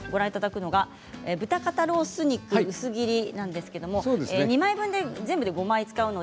豚肩ロース肉、薄切りなんですが２枚分で、全部で５枚使います。